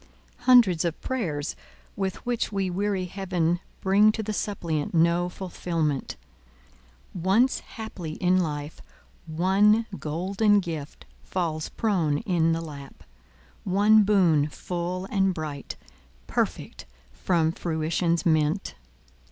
Hundreds of the prayers with which we weary Heaven bring to the suppliant no fulfilment. Once haply in life, one golden gift falls prone in the lap—one boon full and bright, perfect from Fruition's mint.